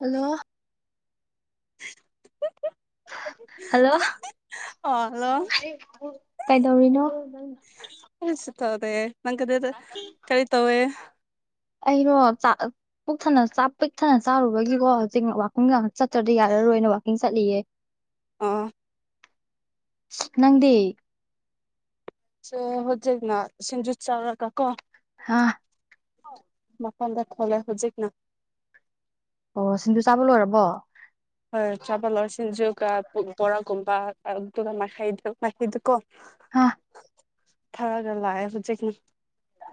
hello hello ꯑ hello ꯀꯩꯗꯧꯔꯤꯅꯣ ꯅ ꯀꯔꯤꯁꯤ ꯇꯗꯦ ꯅꯪ ꯀꯗꯗ ꯀꯔꯤ ꯇꯋꯦ ꯑꯩꯔꯣ ꯄꯛ ꯊꯅ ꯄꯤꯛꯊꯅ ꯆꯥꯔꯨꯕꯒꯤꯀꯣ ꯍꯧꯖꯤꯛ ꯋꯥꯈꯨꯝꯒ ꯆꯠꯇ꯭ꯔꯗꯤ ꯌꯥ ꯃꯔ ꯑꯣꯏꯅ ꯋꯥꯛꯀꯤꯡ ꯆꯠꯂꯤꯌꯦ ꯑꯣ ꯅꯪꯗꯤ ꯁ ꯍꯣꯗꯒꯅꯥ ꯁꯤꯟꯖꯠ ꯆꯥꯎꯥꯎ꯭ꯔ ꯀꯀꯣ ꯍꯥꯥ ꯃꯐꯝꯥꯟꯗ ꯊꯣꯂꯥꯏ ꯍꯧ ꯎꯆꯛꯅ ꯑꯣ ꯁꯤꯡꯖꯨ ꯆꯥꯕ ꯂꯣꯏꯔꯕꯣ ꯆꯥꯕꯜ ꯁꯤꯡꯖꯨꯒ ꯕꯣꯔꯥꯒꯨꯝꯕ ꯑꯗꯨꯒ ꯃꯈꯥꯏꯩꯗꯨꯥꯏꯩꯗꯨꯀꯣ ꯑꯥ ꯊꯔꯒꯋꯥ ꯍꯧꯦ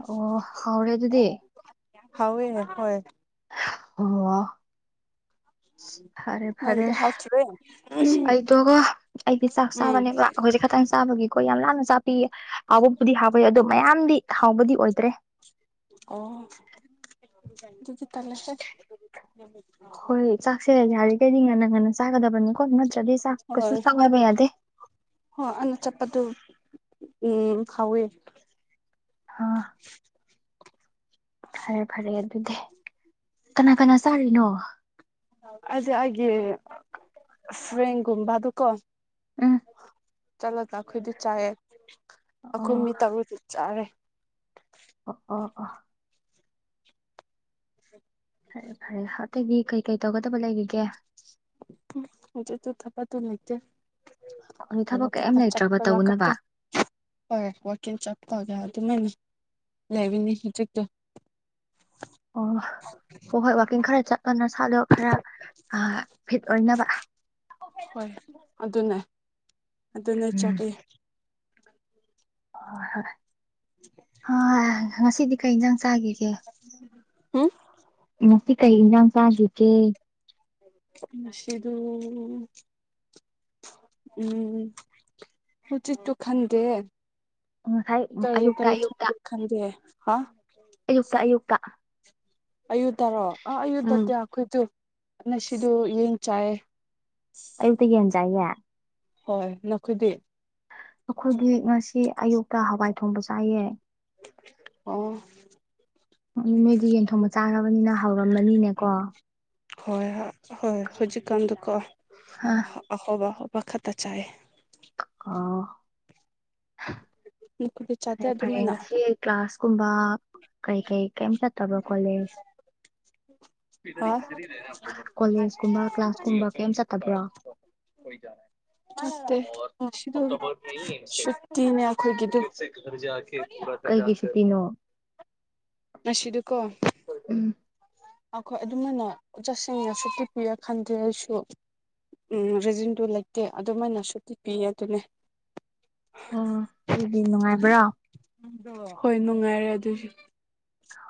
ꯑꯣ ꯍꯧꯥꯎꯔꯦ ꯑꯗꯨꯗꯤ ꯍꯥꯎꯦ ꯍꯣꯏ ꯑꯣ ꯐꯔꯦ ꯐꯔꯦ ꯅꯪꯒꯤꯗꯣ ꯍꯥꯎꯇ꯭ꯔꯦ ꯑꯩꯗꯣꯒ ꯑꯩꯗꯤ ꯆꯥꯛ ꯎꯝ ꯆꯥꯕꯅꯦꯕꯈꯣꯏꯁꯦ ꯈꯇꯪ ꯍꯥꯡ ꯆꯥꯕꯒꯤꯀꯣ ꯌꯥꯝ ꯂꯥꯅ ꯆꯥꯄꯤꯌꯦ ꯑꯕꯨꯝꯄꯗꯤ ꯍꯥꯕ ꯌꯥ ꯑꯗꯣ ꯃꯌꯥꯝꯗꯤ ꯍꯥꯎꯕꯗꯤ ꯑꯣꯏꯗ꯭ꯔꯦ ꯑꯣ ꯑꯗꯨꯗꯤ ꯇꯂꯦ ꯍꯦ ꯍꯣꯏ ꯆꯥꯛꯁꯦ ꯌꯥꯔꯤꯈꯩꯗꯤ ꯉꯟꯅ ꯉꯟꯅ ꯆꯥꯒꯗꯕꯅꯤꯀꯣ ꯅꯠꯇ꯭ꯔꯗꯤ ꯆꯥꯛ ꯀꯩꯁꯨ ꯆꯥꯉꯕ ꯑꯗꯦ ꯍ ꯑꯅ ꯆꯠꯄꯗꯨ ꯎꯝ ꯍꯥꯎꯋꯦ ꯑꯥ ꯐꯔꯦ ꯐꯔꯦ ꯑꯗꯨꯗꯤ ꯀꯅꯥ ꯀꯅꯥ ꯆꯥꯔꯤꯅꯣ ꯑꯗ ꯍꯥꯏꯦ ꯐ꯭ꯔꯦꯡꯒꯕ ꯑꯗꯨ ꯀꯣ ꯑ ꯆꯠꯂꯒ ꯑꯩꯈꯣꯏꯗꯤ ꯆꯥꯏꯑꯦ ꯑꯩꯈꯣꯏ ꯑꯣ ꯃꯤ ꯇꯔꯨꯗꯤ ꯆꯥꯔꯦ ꯑꯄꯥ ꯑꯄ ꯐꯔꯦ ꯐꯔꯦ ꯑꯇꯩꯗꯤ ꯀꯩꯀꯩ ꯇꯧꯒꯗꯕ ꯂꯩꯈꯤꯒꯦ ꯍꯧꯆꯦ ꯇꯨ ꯊꯄ ꯇꯨ ꯂꯩꯆꯦ ꯍꯧꯖꯤꯛ ꯊꯕꯛ ꯀꯩꯝ ꯀꯇ ꯂꯩꯇ꯭ꯔꯕ ꯆꯞꯄꯜ ꯂ ꯇꯧꯅꯕ ꯀꯀꯣ ꯍꯣꯏꯦ ꯋꯥꯛꯀꯤꯡ ꯆꯠꯄꯒ ꯑꯗꯨꯃꯥꯏꯅ ꯂꯩꯕꯤꯅꯤ ꯍꯧꯖꯤꯛꯇꯣ ꯑꯣ ꯍ ꯍꯣꯏ ꯋꯥꯛꯀꯤꯡ ꯈꯔ ꯆꯠꯂꯅ ꯁꯥꯠꯂꯣ ꯈꯔ ꯑ ꯐꯤꯠ ꯑꯣꯏꯅꯕ ꯍꯣꯏ ꯑꯗꯨꯅꯦ ꯑꯗꯨꯅꯦ ꯆꯥꯕꯤꯨ ꯍ ꯍꯣꯏ ꯍꯣꯏ ꯉꯁꯤꯗꯤ ꯀꯩ ꯏꯟꯖꯥꯡ ꯆꯥꯈꯤꯒꯦ ꯎꯝ ꯗꯤ ꯀꯩ ꯏꯖ ꯌꯥꯝ ꯁꯥꯁꯤ ꯂꯤꯇꯦ ꯃꯁꯤꯗꯨ ꯎꯝ ꯎ ꯎꯆꯖꯤꯤꯠꯇꯨ ꯈꯟꯗꯦ ꯉꯁꯥꯏ ꯇꯔ ꯑꯌꯨꯛꯇ ꯇꯔꯦ ꯊꯗꯤ ꯈꯟꯗ ꯍꯥ ꯌꯨꯁ ꯑꯌꯨꯀ ꯑꯌꯨ ꯇꯥꯔꯣꯑꯣ ꯑꯥ ꯑꯌꯨ ꯇꯠꯇꯦ ꯑꯩꯈꯣꯏꯁꯨꯅ ꯁꯤꯗ ꯌꯦꯡ ꯆꯥꯏꯌꯦ ꯑꯌꯨꯛꯇ ꯌꯦꯟ ꯆꯥꯏꯌꯦꯦ ꯍꯣꯏ ꯅꯈꯣꯏꯗꯤ ꯑꯩꯈꯣꯏꯒꯤ ꯉꯁꯤ ꯑꯌꯨꯛꯇ ꯍꯋꯥꯏ ꯊꯣꯡꯕ ꯆꯥꯏꯌꯦ ꯑꯣ ꯎꯝ ꯅꯣꯏꯗꯤ ꯌꯦꯟꯊꯣꯡꯕ ꯆꯥꯅꯕꯅꯤꯅ ꯍꯧꯥꯎꯔꯝꯃꯅꯤꯅꯦꯀꯣ ꯍꯣꯏ ꯍꯣꯏ ꯍꯧꯖꯤꯛ ꯀꯝꯗꯨꯀ ꯑ ꯑꯍꯣꯧꯕ ꯑꯣ ꯋꯥꯈꯠꯇ ꯆꯥꯏ ꯑꯣ ꯅꯈꯣꯏꯗꯤ ꯆꯥꯗꯦ ꯐꯔꯦ ꯐꯔꯦ ꯑꯗꯨꯃꯥꯏꯅ ꯉꯁꯤ ꯀ꯭ꯂꯥꯁꯀꯨꯝꯕ ꯀꯩ ꯀꯩ ꯀꯩ ꯆꯠ ꯇꯕ ꯀꯂꯦꯖ ꯍꯥ ꯀꯣꯂꯦꯖ ꯀꯨꯝꯕ ꯀ꯭ꯂꯥꯁ ꯀꯨꯝꯕ ꯀꯩꯝ ꯆꯠꯇꯕ꯭ꯔꯣ ꯃꯦꯁꯤꯗ ꯁꯛꯇꯤ ꯅ ꯌꯥꯈꯣꯏꯒꯗ ꯦ ꯄꯨꯒꯤꯁꯨ ꯇꯅꯣ ꯅꯁꯤꯗꯨꯀꯣ ꯍ ꯑꯩꯈꯣꯏ ꯑꯗꯨꯃꯥꯏꯅ ꯆꯁꯤꯡꯅ ꯁꯨꯛꯇꯤ ꯄꯤꯔꯦ ꯈꯟꯗꯦ ꯑꯩꯁꯨ ꯎꯝ ꯔꯤꯖꯤꯟꯗꯨ ꯂꯩꯇꯦ ꯑꯗꯨꯃꯥꯏꯅ ꯁꯨꯇꯤ ꯄꯤꯌꯦ ꯑꯗꯨꯅꯦ ꯑ ꯑꯗꯨꯗꯤ ꯅꯨꯡꯉꯥꯏꯕ꯭ꯔꯥ ꯍꯣꯏ ꯅꯨꯡꯉꯥꯏꯔꯦ ꯑꯗꯨꯁꯨ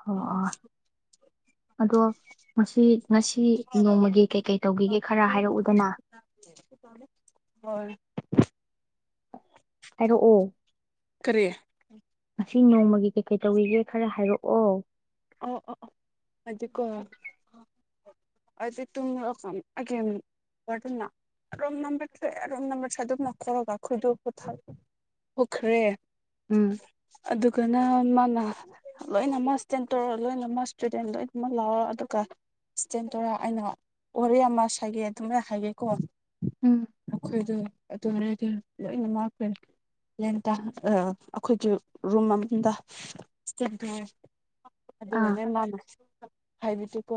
ꯑꯣ ꯑꯗꯣ ꯉꯁꯤ ꯉꯁꯤ ꯅꯣꯡꯃꯒꯤ ꯀꯩꯀꯩ ꯇꯧꯒꯤꯒꯦ ꯈꯔ ꯍꯥꯏꯔꯛꯎꯗꯅ [unintelligible] ꯍꯣꯏ ꯍꯥꯏꯔꯛꯑꯣ ꯀꯔꯤꯌꯥꯦ ꯑꯁꯤ ꯅꯣꯡꯃꯒꯤ ꯀꯩꯀꯩ ꯇꯧꯔꯤꯒꯦ ꯈꯔ ꯍꯥꯏꯔꯛꯑꯣ ꯑꯣ ꯑꯣ ꯍꯥꯏꯗꯤꯀ ꯑꯗꯤ ꯇꯦ ꯑꯗꯨ ꯔꯣꯝ ꯅꯔꯣꯝ ꯅꯔ ꯊ ꯑꯗꯨꯝ ꯅꯈꯒꯈꯣꯏꯗ ꯀꯣꯊꯥ ꯑꯣꯈ꯭ꯔꯦ ꯎꯝ ꯑꯗꯨꯒꯅ ꯂꯣꯏꯅꯃꯛꯦꯟ ꯇꯧꯔ ꯂꯣꯏꯅꯃꯛ ꯏꯁꯇꯨꯗꯦꯟ ꯂꯣꯏꯅꯃꯛ ꯂꯥꯎꯔꯣ ꯑꯗꯨꯒ ꯆꯦꯟ ꯇꯣꯔꯥ ꯑꯩꯅ ꯋꯥꯔꯤꯦ ꯑꯃ ꯁꯥꯥꯏꯒꯦ ꯑꯗꯨꯃꯥꯏ ꯍꯥꯏꯒꯦꯀꯣ ꯎꯝ ꯑꯩꯈꯣꯏꯗꯣ ꯑꯗꯨꯔꯗꯤ ꯂꯣꯏꯅ ꯉꯥꯛꯄꯔ ꯑꯩꯈꯣꯏꯒꯤ ꯔꯨꯝ ꯑꯃꯗ ꯑꯥ ꯑꯗꯨꯅꯦ ꯃꯥ ꯍꯥꯏꯕꯤꯗꯤꯀꯣ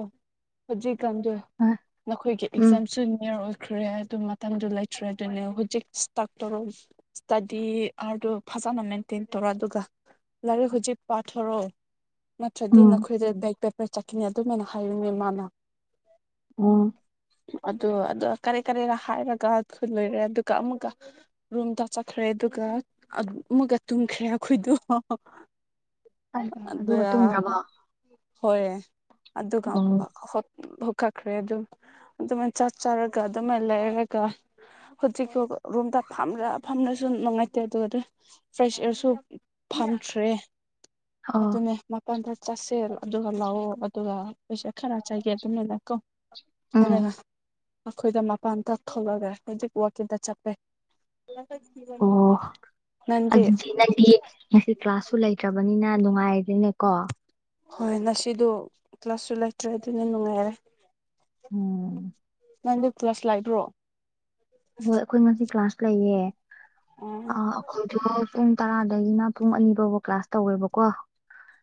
ꯍꯧꯖꯤꯛ ꯝꯗ ꯑꯥ ꯅꯈꯣꯏꯒꯤ ꯎꯝ ꯑꯦꯛꯖꯥꯝꯁꯨ ꯅꯤꯌꯔ ꯑꯣꯏꯈ꯭ꯔꯦ ꯑꯗꯨ ꯃꯇꯝꯊꯗꯨ ꯂꯩꯇ꯭ꯔꯦ ꯑꯗꯨꯅꯦ ꯍꯧꯖꯤꯛ ꯗꯇꯔ ꯑꯣꯐ ꯏꯁꯇꯗꯤ ꯑꯥꯔꯗꯨ ꯐꯖꯅꯃꯤ ꯇꯤꯟ ꯇꯔꯥꯗꯨꯒ ꯂꯥꯏꯔꯤꯛ ꯍꯧꯖꯤꯛ ꯄꯥꯊꯣꯔꯛꯑꯣ ꯅꯠꯇ꯭ꯔꯗꯤ ꯎꯝ ꯅꯈꯣꯏꯗ ꯕꯦꯛ ꯄꯦꯄꯔ ꯆꯠꯈꯤꯅꯤ ꯑꯗꯨꯃꯥꯏꯅ ꯍꯥꯏꯔꯤꯨꯅꯦ ꯃꯥꯅ ꯑꯣ ꯑꯗ ꯑꯗ ꯀꯔꯤ ꯀꯔꯤꯔ ꯍꯥꯏꯔꯒ ꯈꯨ ꯂꯣꯏꯔꯦ ꯑꯗꯨꯒ ꯑꯃꯨꯛꯀ ꯔꯨꯝꯗ ꯆꯠꯈ꯭ꯔꯦ ꯑꯗꯨꯒ ꯑꯃꯨꯛꯀ ꯇꯨꯝꯈ꯭ꯔꯦ ꯑꯩꯈꯣꯏꯗꯣ ꯑꯗꯨ ꯑꯗꯨꯒ ꯇꯨꯝꯒ꯭ꯔꯕꯣ ꯑꯣ ꯍꯣꯏꯦ ꯑꯗꯨꯒ ꯐ ꯀꯠꯈ꯭ꯔꯦ ꯑꯗꯨꯝ ꯑꯗꯨꯃꯥꯏ ꯆꯥꯛ ꯆꯥꯔꯒ ꯑꯗꯨꯃꯥꯏꯅ ꯂꯩꯔꯒ ꯍꯧꯖꯤꯛ ꯔꯨꯝꯝꯗ ꯐꯂ ꯐꯝꯅꯁꯨ ꯅꯨꯡꯉꯥꯏꯇꯦ ꯑꯗꯨꯒ ꯐ꯭ꯔꯦꯁ ꯑꯦꯌꯥꯔꯁꯨ ꯐꯝꯈ꯭ꯔꯦ ꯑꯣ ꯑꯗꯨꯅꯦ ꯃꯄꯜꯗ ꯆꯥꯁꯦꯜ ꯑꯗꯨꯒ ꯂꯥꯛꯑꯣ ꯑꯗꯨꯒ ꯄꯩꯁꯥ ꯈꯔ ꯆꯥꯏꯒꯦ ꯄꯨꯅ ꯂꯥꯛꯣ ꯎꯝ ꯑꯗꯒ ꯑꯩꯈꯣꯏꯗ ꯃꯄꯥꯟꯗꯥꯛ ꯊꯣꯛꯣꯂꯒ ꯍꯧꯖꯤꯛ ꯋꯥꯋꯀꯤꯇ ꯆꯠꯄꯦ ꯑꯣ ꯅꯪꯗꯤ ꯑꯗꯨꯗꯤ ꯅꯪꯗꯤ ꯉꯁꯤ ꯀ꯭ꯂꯥꯁꯁꯨ ꯂꯩꯇ꯭ꯔꯕꯅꯤꯅ ꯅꯨꯡꯉꯥꯏꯔꯤꯅꯦꯀꯣ ꯍꯣꯏ ꯉꯁꯤꯗꯣ ꯀ꯭ꯂꯥꯁꯁꯨ ꯂꯩꯇ꯭ꯔꯦ ꯑꯗꯨꯅ ꯅꯨꯡꯉꯥꯏꯔꯦ ꯎꯝ ꯅꯪꯗ ꯀ꯭ꯂꯂꯥꯁ ꯂꯥꯛꯕ꯭ꯔꯣ ꯍꯣꯏ ꯑꯩꯈꯣꯏ ꯉꯁꯤ ꯀ꯭ꯂꯥꯁ ꯂꯩꯌꯦ ꯑꯣ ꯑꯩꯈꯣꯏ ꯄꯨꯡ ꯇꯔꯥ ꯑꯗꯒꯤꯅ ꯄꯨꯡ ꯑꯅꯤ ꯐꯥꯎꯕ ꯀ꯭ꯂꯥꯁ ꯇꯧꯋꯦꯕꯀꯣ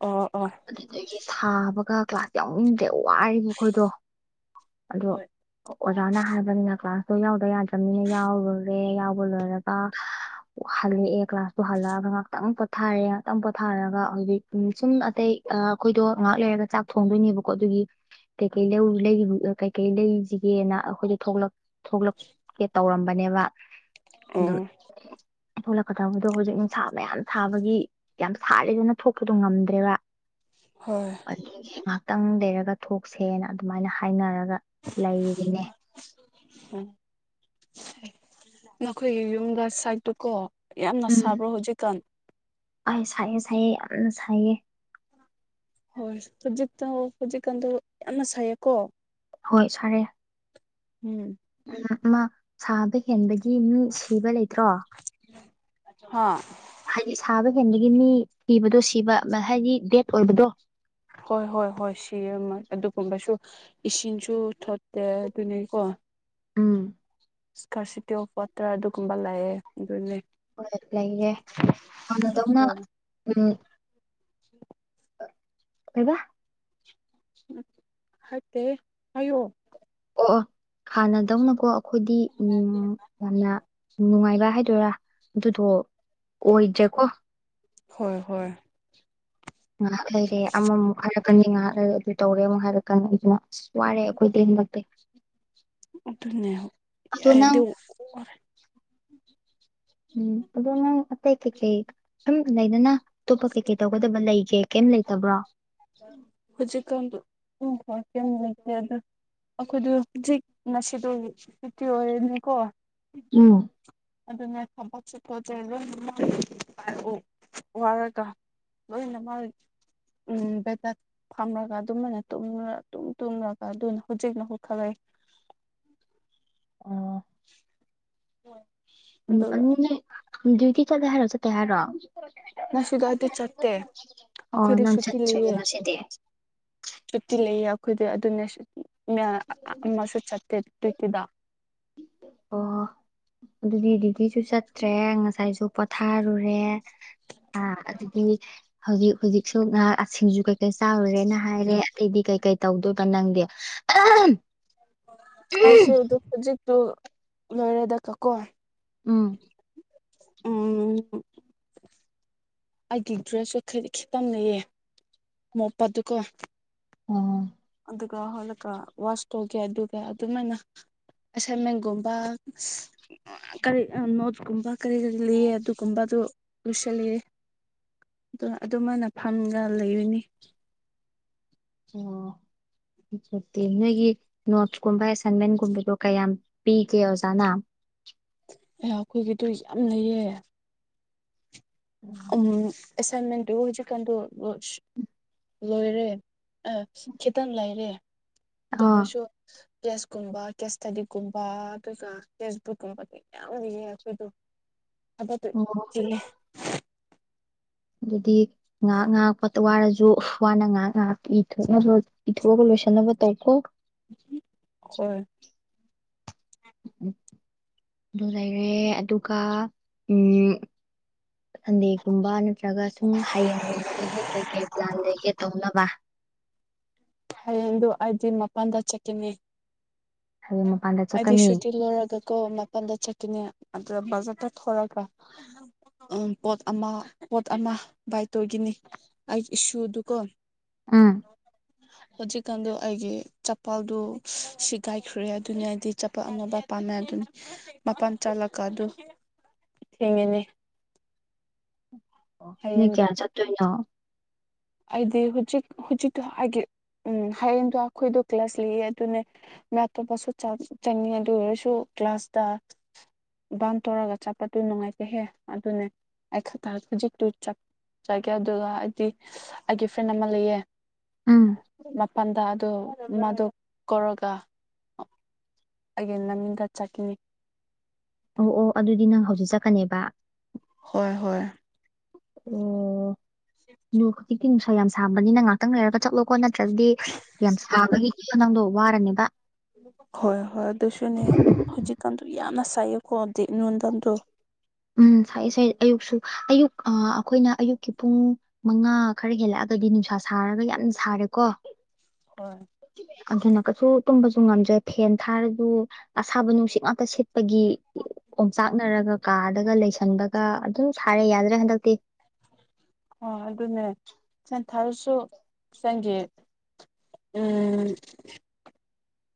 ꯑꯣ ꯑꯗꯨꯗꯒꯤ ꯁꯥꯕꯒ ꯀ꯭ꯂꯥꯁ ꯌꯥꯎꯅꯤꯡꯗ꯭ꯔꯦ ꯋꯥꯔꯤꯕ ꯑꯩꯈꯣꯏꯗꯣ ꯑꯗꯣ ꯑꯣꯖꯥꯅ ꯍꯥꯏꯕꯅꯤꯅ ꯀ꯭ꯂꯥꯁ ꯗꯣ ꯌꯥꯎꯗ ꯌꯥꯗ꯭ꯔꯕꯅꯤꯅ ꯌꯥꯎꯔꯨꯔꯦ ꯌꯥꯎꯕ ꯂꯣꯏꯔꯒ ꯍꯜꯂꯛꯑꯦ ꯀ꯭ꯂꯥꯁꯇꯨ ꯍꯜꯂꯛꯑꯒ ꯉꯥꯏꯥꯛꯇꯪ ꯄꯣꯊꯔꯑꯦ ꯉꯥꯏꯥꯛꯇꯪ ꯄꯣꯊꯥꯔꯒ ꯍꯧꯖꯤꯛ ꯁꯨꯝ ꯑꯇꯩ ꯑ ꯑꯩꯈꯣꯏꯗꯣ ꯉꯍꯥꯛ ꯂꯩꯔꯒ ꯆꯥꯛ ꯊꯣꯡꯗꯣꯏꯅꯦꯕꯀꯣ ꯑꯗꯨꯒꯤ ꯀꯩꯀꯩ ꯀꯩꯀꯩ ꯂꯩꯁꯤꯒꯦꯅ ꯑꯩꯈꯣꯏꯗ ꯊꯣꯛꯂꯛ ꯊꯣꯛꯂꯛꯀꯦ ꯇꯧꯔꯝꯕꯅꯦꯕ ꯑꯗꯨꯝ ꯎꯝ ꯊꯣꯛꯂꯛꯀꯗꯕꯗꯣ ꯍꯧꯖꯤꯛ ꯅꯨꯡꯁꯥ ꯃꯌꯥꯝ ꯁꯥꯕꯒꯤ ꯌꯥꯝ ꯁꯥꯠꯂꯤꯗꯨꯅ ꯊꯣꯛꯄꯗꯣ ꯉꯝꯗ꯭ꯔꯦꯕ ꯍꯣꯏ ꯑꯗꯨ ꯉꯥꯏꯍꯥꯛꯇꯪ ꯂꯩꯔꯒ ꯊꯣꯛꯁꯦꯅ ꯑꯗꯨꯃꯥꯏꯅ ꯍꯥꯏꯅꯔꯒ ꯂ [unintelligible] ꯑꯩꯈꯣꯏꯒꯤ ꯌꯨꯝꯗ ꯁꯥꯏꯠꯇꯨ ꯀꯣ ꯌꯥꯝꯅ ꯎꯝ ꯁꯥꯕ꯭ꯔꯣ ꯍꯧꯖꯤꯛꯀꯥꯟ ꯑꯩ ꯁꯥꯏꯌꯦ ꯁꯥꯏꯌꯦ ꯌꯥꯝꯅ ꯁꯥꯏꯌꯦ ꯍꯣꯏ ꯍꯧꯖꯤꯛꯇ ꯍꯧꯖꯤꯛꯀꯥꯟꯗ ꯌꯥꯝꯅ ꯁꯩꯌꯦꯀꯣ ꯍꯣꯏ ꯁꯥꯔꯦ ꯎꯝ ꯑꯃ ꯁꯥꯕ ꯍꯦꯟꯕꯒꯤ ꯃꯤ ꯁꯤꯕ ꯂꯩꯇ꯭ꯔꯣ ꯍ ꯍꯥꯏꯗꯤ ꯁꯥꯕ ꯍꯦꯟꯕꯗꯒꯤ ꯃꯤ ꯊꯤꯕꯗꯣ ꯁꯤꯕ ꯍꯥꯏꯗꯤ ꯗꯦꯠ ꯑꯣꯏꯕꯗꯣ ꯍꯣꯏ ꯍꯣꯏ ꯍꯣꯏ ꯁꯤ ꯑꯃ ꯑꯗꯨꯒꯨꯝꯕꯁꯨ ꯏꯁꯤꯡꯁꯨ ꯊꯣꯠꯇꯦ ꯑꯗꯨꯅꯤꯀꯣ ꯎꯝ ꯏꯁꯀꯥꯔꯁꯤꯇꯤ ꯑꯣꯐ ꯋꯥꯇꯔ ꯑꯗꯨꯒꯨꯝꯕ ꯂꯥꯛꯑꯦ ꯑꯗꯨꯅꯦ ꯍꯣꯏ ꯂꯩꯌꯦꯦ ꯊꯧꯅ ꯇꯧꯅ ꯎꯝ ꯎ ꯀꯩꯗ ꯍꯥꯏꯠꯇꯦ ꯑꯌꯣ ꯑꯣꯑꯣ ꯍꯥꯟꯅꯗꯧꯅꯀꯣ ꯑꯩꯈꯣꯏꯗꯤ ꯎ ꯌꯥꯝꯅ ꯅꯨꯡꯉꯥꯏꯕ ꯍꯥꯏꯗꯣꯏꯔꯥ ꯑꯗꯨꯗꯣ ꯑꯣ ꯏꯖꯀꯣ ꯍꯣꯏ ꯍꯣꯏ ꯉꯥꯏꯍꯥꯛ ꯂꯩꯔꯦ ꯑꯃꯃꯨꯛ ꯍꯥꯏꯜꯔꯛꯀꯅꯤ ꯉꯥꯏꯍꯥꯛ ꯂꯩꯔꯦ ꯑꯗꯨ ꯇꯧꯔꯦ ꯑꯃꯨꯛ ꯍꯥꯏꯔꯛꯀꯅꯤ ꯑꯗꯨꯅ ꯋꯥꯔꯦ ꯑꯩꯈꯣꯏ ꯇꯦꯟꯃꯛꯇꯤ ꯑꯗꯨꯅꯦꯗꯤꯔꯦ ꯑꯗꯣ ꯅꯪ ꯎꯝ ꯑꯗ ꯑꯇꯩꯇꯩ ꯆ ꯂꯩꯗꯅ ꯑꯇꯣꯞꯄ ꯀꯩ ꯀꯩ ꯇꯧꯒꯗꯕ ꯂꯩꯒꯦ ꯀꯩꯝ ꯂꯩꯇꯕ꯭ꯔꯣ ꯍꯧꯖꯤꯛꯀꯥꯟ ꯝ ꯂꯩꯦ ꯑꯗꯨ ꯑꯩꯈꯣꯏꯗ ꯍꯧꯖꯤꯛ ꯉꯁꯤꯣ ꯍꯧꯛꯇꯤ ꯑꯣꯏꯔꯅꯤꯀꯣ ꯎꯝ ꯑꯗꯨꯅꯦ ꯊꯕꯛꯁꯨ ꯈꯣꯠꯠꯇꯦ ꯂꯣꯏꯔ ꯋꯥꯔꯒ ꯑꯅ ꯃꯥꯗꯤ ꯎꯝ ꯕꯦ ꯐꯝꯔꯒ ꯑꯗꯨꯃꯥꯏꯅ ꯇꯨꯝ ꯇꯨꯝꯂꯒ ꯑꯗꯨꯅ ꯍꯧꯖꯤꯛꯅ ꯍꯧꯨꯛ ꯈꯜꯂꯛꯏ [unintelligible] ꯍ ꯗ꯭ꯌꯨꯇꯤ ꯆꯂꯦ ꯍꯥꯏꯔ ꯆ ꯇ ꯍꯥꯏꯔꯣ ꯅꯁꯨꯗ ꯑꯩꯗ ꯆꯠꯇꯦ ꯑꯣ ꯑꯩꯈꯣꯏꯗ ꯅꯪ ꯁꯨ ꯆꯠꯇ꯭ꯔꯦꯕ ꯇꯤꯜꯂꯤꯑꯦ ꯉꯁꯤꯗꯤ ꯁꯨꯇꯤ ꯂꯩꯌꯦ ꯑꯩꯈꯣꯏꯗꯤ ꯑꯗꯨꯅꯦ ꯑꯃꯁꯨ ꯆꯠꯇꯦ ꯇꯨꯠꯇꯤꯗ ꯑ ꯑꯗꯨꯗꯤ ꯗꯤꯗꯤꯁꯨ ꯆꯠꯇ꯭ꯔꯦ ꯉꯁꯥꯏꯁꯨ ꯄꯣꯊꯥꯔꯨꯔꯦ ꯑꯥ ꯑꯗꯨꯗꯒꯤ ꯍꯧꯖꯤꯛ ꯍꯧꯖꯤꯛꯁꯨ ꯉꯍꯥꯁꯤꯡꯁꯨ ꯆꯥꯔꯨꯔꯦꯅ ꯍꯥꯏꯔꯦ ꯑꯩꯗꯤ ꯀꯩꯀꯩ ꯇꯧꯗꯣꯏꯕ ꯅꯪꯗꯤ ꯑꯁꯤꯁꯤꯗ ꯍꯧꯖꯤꯛꯇꯨ ꯂꯣꯏꯔꯦꯗ ꯀꯀꯣꯟ ꯎꯝ ꯎꯝ ꯑꯩꯒꯤ ꯗ꯭ꯔꯦꯁꯁꯨ ꯈꯗꯤ ꯈꯤꯇꯪꯅꯩꯌꯦ ꯃꯣꯞꯄꯗꯨꯀꯣ ꯎꯝ ꯑꯗꯨꯒ ꯍꯣꯂꯀ ꯋꯥꯁ ꯇꯧꯒꯦ ꯑꯗꯨꯒ ꯑꯗꯨꯃꯥꯏꯅ ꯑꯦꯁꯥꯏꯟꯃꯦꯟꯒꯨꯝꯕ ꯀꯔꯤ ꯅꯣꯠꯀꯨꯝꯕ ꯀꯔꯤ ꯀꯔꯤ ꯂꯩ ꯑꯗꯨꯒꯨꯝꯕ ꯑꯗꯨ ꯎꯁ ꯂꯩꯦ [unintelligible] ꯑꯣ ꯑꯗꯨꯃꯥꯏꯅ ꯐꯝꯒ ꯂꯩꯔꯨꯅꯤ ꯗꯤ ꯅꯣꯏꯒꯤ ꯅꯣꯠꯁꯀꯨꯝꯕ ꯑꯦꯁꯥꯏꯟꯃꯦꯟꯒꯨꯝꯕꯗꯣ ꯀꯌꯥꯝ ꯄꯤꯒꯦ ꯑꯣꯖꯥꯅ ꯑꯦ ꯑꯩꯈꯣꯏꯒꯤꯗꯨ ꯌꯥꯝ ꯂꯩꯌꯦ ꯎꯝ ꯑꯦꯁꯥꯏꯟꯃꯦꯟ ꯍꯧꯖꯤ ꯀꯥꯟꯗ ꯂꯣꯏꯔꯦ ꯑ ꯈꯤꯇꯪ ꯂꯩꯔꯦ ꯑꯗꯨ ꯑꯥ ꯑꯣꯏꯔꯁꯨ ꯀꯦꯁꯀꯨꯝꯕ ꯀꯦꯁ ꯏꯁꯇꯗꯤꯒꯨꯝꯕ ꯑꯗꯨꯒ ꯀꯦꯁꯕꯨꯛꯀꯨꯝꯕꯗꯤ ꯃꯌꯥꯝ ꯂꯩꯌꯦ ꯑꯩꯈꯣꯏꯗꯣ [unintelligible] ꯑꯕ ꯑꯗꯨꯦ ꯑꯣ ꯑꯗꯨꯗꯤ ꯉꯥꯏꯍꯥꯛ ꯉꯥꯏꯍꯥꯛꯄ ꯋꯥꯔꯁꯨ ꯋꯥꯅ ꯉꯥꯏꯍꯥꯛ ꯉꯍꯥꯛ ꯏꯅꯕ ꯏꯊꯣꯛꯑꯒ ꯂꯣꯏꯁꯟꯅꯕ ꯇꯧꯈꯣ ꯍꯣꯏ ꯑꯗꯨ ꯂꯩꯔꯦ ꯑꯗꯨꯒ ꯎ ꯁꯟꯗꯦꯒꯨꯝꯕ ꯅꯠꯇ꯭ꯔꯒ ꯁꯨꯝ ꯍꯌꯦꯡꯒꯨꯝꯕꯗꯗꯤ ꯀꯩꯀꯩ ꯄ꯭ꯂꯥꯟ ꯂꯩꯒꯦ ꯇꯧꯅꯕ ꯍꯥꯏꯗꯨ ꯑꯩꯗꯤꯤꯟ ꯃꯄꯥꯟꯗ ꯆꯠꯈꯤꯅꯤ ꯍꯌꯦꯡ ꯃꯄꯥꯟꯗ ꯍꯥꯏꯗꯤ ꯆꯠꯀꯅꯤ ꯁꯨꯇꯤ ꯂꯣꯏꯔꯒ ꯀꯣ ꯃꯄꯜꯗ ꯆꯠꯀꯅꯦ ꯑꯗ ꯖꯔ ꯇ ꯊꯔꯀ ꯎꯝ ꯄꯣꯠ ꯑꯃ ꯄꯣꯠ ꯑꯃ ꯕꯥꯏ ꯇꯧꯈꯤꯅꯤ ꯑꯩꯒꯤ ꯏꯁꯨꯗꯨꯀꯣ ꯑꯥ ꯍꯧꯖꯤꯛꯀꯥꯟꯗ ꯑꯩꯒꯤ ꯆꯄꯜꯗꯨꯣ ꯁꯤꯒꯥꯏꯈ꯭ꯔꯦ ꯑꯗꯨꯅꯦ ꯑꯩꯗꯤ ꯆꯄꯥꯛꯜ ꯑꯅꯕ ꯄꯥꯝꯃꯦ ꯑꯗꯨ ꯃꯄꯥꯟ ꯆꯥꯂꯀ ꯑꯗꯨ ꯊꯦꯡꯉꯤꯅꯤ ꯑꯣ ꯅꯣꯏ ꯀꯌꯥ ꯆꯠꯇꯣꯏꯅꯣ ꯑꯗꯤ ꯍꯨꯖꯤꯛ ꯍꯨꯖꯤꯛꯇ ꯍꯥꯏꯦ ꯎꯝ ꯍꯌꯦꯡꯗꯣ ꯑꯩꯈꯣꯏꯗꯣ ꯀ꯭ꯂ꯭ꯂꯁ ꯂꯤꯑꯦ ꯑꯗꯨꯅꯦ ꯃ ꯑꯇꯣꯞꯄꯁꯨ ꯆꯪꯉꯤ ꯑꯗꯨ ꯑꯣꯏꯔꯁꯨ ꯀ꯭ꯂꯥꯁꯗ ꯕꯥꯟ ꯇꯧꯔꯒ ꯆꯠꯄꯗꯨ ꯅꯨꯡꯉꯥꯏꯇꯩꯍꯦ ꯑꯗꯨꯅꯦ ꯑꯩ ꯈꯖꯤꯛꯇꯨ ꯆꯒꯦ ꯑꯗꯨꯒ ꯑꯩꯗꯤ ꯑꯩꯒꯤ ꯐ꯭ꯔꯦꯟ ꯑꯃ ꯂꯩꯌꯦ ꯎꯝ ꯃꯄꯥꯟꯗ ꯗ ꯃꯥꯗꯨ ꯀꯣꯔꯔꯒ ꯑꯩꯦ ꯅꯃꯤꯒꯠ ꯆꯀꯤꯅꯤ ꯑꯣ ꯑꯣ ꯑꯗꯨꯗꯤ ꯅꯪ ꯍꯧꯖꯤꯛ ꯆꯠꯀꯅꯦꯕ ꯍꯣꯏ ꯍꯣꯏ ꯑꯣ ꯂꯨ ꯈꯖꯤꯛꯇ ꯅꯨꯡꯁꯥ ꯌꯥꯝ ꯁꯥꯕꯅꯤꯅ ꯉꯍꯥꯛꯇꯪ ꯂꯩꯔꯒ ꯆꯠꯂꯣꯀꯣ ꯅꯠꯇ ꯅꯠꯇ꯭ꯔꯒꯗꯤ ꯌꯥꯝ ꯁꯥꯕꯒꯤ ꯈꯅꯥꯥꯡꯗꯣ ꯋꯥꯔꯅꯤꯕ ꯍꯣꯏ ꯍꯣꯏ ꯑꯗꯨꯁꯅꯦ ꯍꯧꯖꯤꯀꯥꯟ ꯕꯤꯍꯅꯁꯥꯏꯌ ꯀꯣ ꯗꯦꯦꯛꯅ ꯇꯟꯗꯣ ꯎꯝ ꯁꯥꯏ ꯁꯥꯏ ꯑꯌꯨꯛꯁꯨ ꯑꯌꯨꯛ ꯑꯩꯈꯣꯏꯅ ꯑꯌꯨꯛꯀꯤ ꯄꯨꯡ ꯃꯉꯥ ꯈꯔ ꯍꯦꯜꯂꯛꯑꯒ ꯗꯤ ꯅꯨꯡꯁꯥ ꯁꯥꯔꯒ ꯌꯥꯝ ꯁꯥꯔꯦꯀꯣ ꯍꯣꯏ ꯑꯗꯨꯅ ꯀꯩꯁꯨ ꯇꯨꯝꯕꯁꯨ ꯉꯝꯗ꯭ꯔꯦ ꯐꯦꯟ ꯊꯥꯔꯁꯨ ꯑꯁꯥꯕ ꯅꯨꯡꯁꯤꯠ ꯉꯥꯛꯇ ꯁꯤꯠꯄꯒꯤ ꯑꯣꯣꯝꯆꯥꯛꯅꯔꯒ ꯀꯥꯗꯒ ꯂꯩꯁꯟꯕꯒ ꯑꯗꯨꯝ ꯁꯥꯔꯦ ꯌꯥꯗ꯭ꯔꯦ ꯍꯟꯗꯛꯇꯤ ꯑꯣ ꯑꯗꯨꯅꯦ ꯆꯟ ꯊꯥꯔꯁꯨ ꯆꯪꯒꯦ ꯎꯝ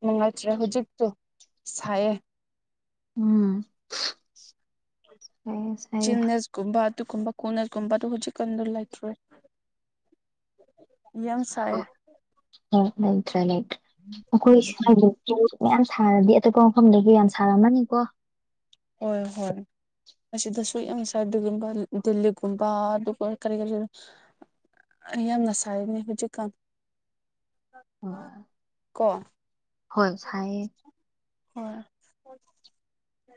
ꯅꯨꯡꯉꯥꯏꯇ꯭ꯔꯦ ꯍꯧꯖꯤꯛꯇꯛꯇꯣ ꯁꯥꯏꯌꯦꯦ ꯎꯝ ꯐꯩꯌꯦ ꯐꯩꯌꯦ ꯆꯤꯅꯦꯁꯒꯨꯝꯕ ꯑꯗꯨꯒꯨꯝꯕ ꯀꯣꯟꯅꯒꯨꯝꯕꯗ ꯍꯧꯖꯤꯛ ꯀꯥꯟꯗ ꯂꯩꯇ꯭ꯔꯦ ꯌꯦꯝꯁꯥꯏ ꯅꯠꯇ꯭ꯔꯥ ꯅꯠꯇ꯭ꯔ ꯑꯣꯈꯣꯏ ꯃꯌꯥꯝ ꯁꯥꯔꯗꯤ ꯑꯇꯣꯞꯄ ꯃꯐꯝꯗꯒꯤ ꯌꯥꯝ ꯁꯥꯔꯝꯃꯅꯤꯀꯣ ꯍꯣꯏ ꯍꯣꯏ ꯑꯁꯤꯗ ꯁꯨꯛ ꯌꯥꯝ ꯁꯥꯏꯗꯒꯨꯝꯕ ꯗꯜꯂꯤꯒꯨꯝꯕ ꯑꯗꯨ ꯀꯔꯤꯒ ꯌꯥꯝꯅ ꯁꯥꯏꯅꯦ ꯍꯧꯖꯤꯛꯀꯥꯟ ꯍ ꯀꯣ ꯍꯣꯏ ꯁꯥꯏꯌꯦ ꯍꯣꯏ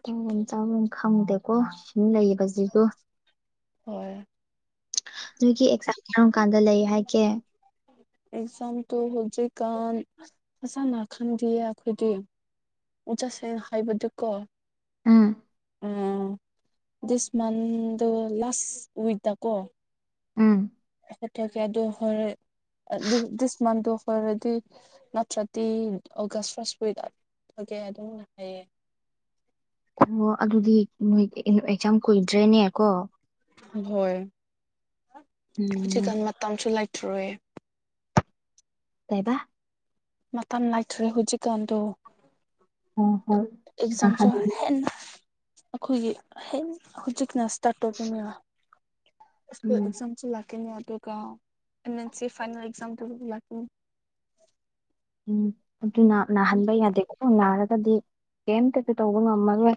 ꯆꯪꯐꯝ ꯆꯥꯐꯝ ꯈꯪꯗꯦꯀꯣ ꯁꯨꯝ ꯂꯩꯌꯦ ꯖꯤꯒꯣ ꯍꯣꯏ ꯅꯣꯏꯒꯤ ꯑꯦꯛꯁꯥ ꯀꯔꯝ ꯀꯥꯟꯗ ꯂꯩ ꯍꯥꯏꯒꯦ ꯑꯦꯛꯖꯥꯝ ꯇꯣ ꯍꯧꯖꯤꯛꯀꯥꯟ ꯃꯁꯥꯟꯅ ꯈꯪꯗꯌꯦ ꯑꯩꯈꯣꯏꯗꯤ ꯎ ꯆꯠꯁꯦꯡꯅ ꯍꯥꯏꯕꯗꯨ ꯀꯣ ꯑꯝ ꯎꯝ ꯗꯤꯁ ꯃꯟꯗ ꯂꯥꯁ ꯋꯤꯛꯗꯀꯣ ꯎꯝ ꯍꯇ ꯀꯦꯗꯣ ꯍꯔ ꯗꯤꯁꯃꯥꯟꯗ ꯍꯥꯏꯔꯗꯤ ꯅꯠꯇ꯭ꯔꯗꯤ ꯑꯣꯒꯥꯁ ꯐ ꯑꯣꯀꯦ ꯑꯗꯨꯝꯅꯨꯡꯉꯌꯦ ꯑꯣ ꯑꯗꯨꯗꯤ ꯅꯣꯏ ꯑꯦꯛꯖꯥꯝ ꯀꯨꯏꯗ꯭ꯔꯦꯅꯦ ꯀꯣ ꯍꯣꯏ ꯎꯝ ꯍꯧꯖꯤꯛꯀꯥꯟ ꯃꯇꯝꯁꯨ ꯂꯩꯇ꯭ꯔ ꯇꯥꯏꯕ ꯃꯥꯟ ꯂꯥꯏꯇ꯭ꯔꯦ ꯍꯨꯖꯤꯛꯗꯨ ꯑ ꯑꯦꯛꯖꯝꯁꯨ ꯍꯦꯟꯅ ꯑꯩꯈꯣꯏꯒꯤ ꯍ ꯍꯧꯖꯤꯛꯅ ꯏꯁꯇꯥꯔꯠ ꯇꯧꯈꯤꯕꯅꯦꯕ ꯨ ꯎꯝ ꯑꯦꯛꯖꯥꯝꯁꯨ ꯂꯥꯛꯀꯅꯤ ꯑꯗꯨꯒꯟ ꯑꯦꯟ ꯁꯤ ꯐꯥꯏꯅꯦꯜ ꯑꯦꯛꯖꯝ ꯌꯥꯀ ꯎꯝ ꯑꯗꯨꯅ ꯅꯥꯍꯟꯕ ꯌꯥꯗꯦ ꯈ ꯅꯥꯔꯒꯗꯤ ꯀꯩꯝꯇ ꯇꯧꯕ ꯉꯝꯃꯔꯣꯏ